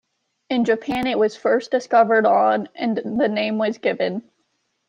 In Japan it was first discovered on and the name was given.